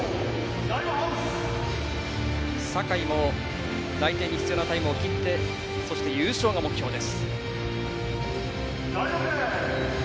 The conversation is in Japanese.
坂井も内定に必要なタイムを切りそして優勝が目標です。